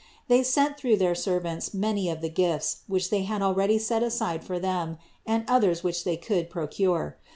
They sent through their servants many of the presents, which they had already set aside for them, and others which they could procure.